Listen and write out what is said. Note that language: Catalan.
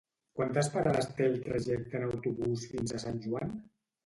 Quantes parades té el trajecte en autobús fins a Sant Joan?